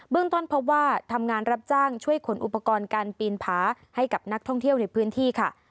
ต้นพบว่าทำงานรับจ้างช่วยขนอุปกรณ์การปีนผาให้กับนักท่องเที่ยวในพื้นที่ค่ะ